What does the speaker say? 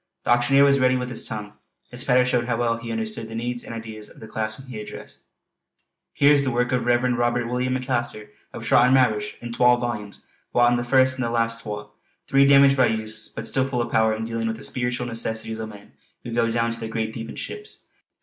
The auctioneer was ready with his tongue; his patter showed how well he understood the needs and ideas of the class whom he addressed. "Here's the works of the Reverend Robert William McAlister of Trottermaverish in twal volumes, wantin' the first an' the last twa; three damaged by use, but still full of power in dealing with the speeritual necessities o' men who go down to the great deep in ships.